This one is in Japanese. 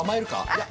いや。